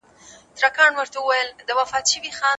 زه دي وینمه لا هغسي نادان یې